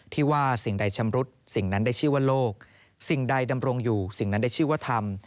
ที่ว่าสิ่งใดชำรุดสิ่งนั้นได้ชื่อว่าโลกสิ่งใดดำรงอยู่สิ่งนั้นได้ชื่อว่าธรรม